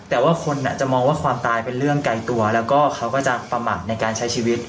แต่ว่าคนจะมองว่าความตายเป็นเรื่องไกลตัวแล้วก็เขาก็จะประมาทในการใช้ชีวิต